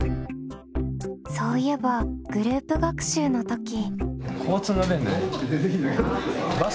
そういえばグループ学習の時。